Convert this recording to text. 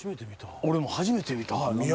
俺も初めて見た。